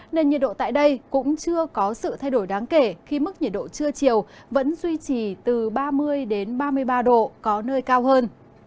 nên nhiệt độ tại đây cũng chưa có sự thay đổi đáng kể khi mức nhiệt độ trưa chiều vẫn duy trì từ ba mươi ba mươi ba độ có nơi cao hơn